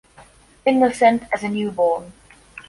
Innocent as a newborn.